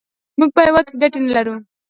موږ په هېواد کې ګټې نه لرو.